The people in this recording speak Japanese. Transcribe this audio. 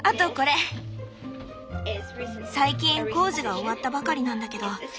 最近工事が終わったばかりなんだけど電話もできたの。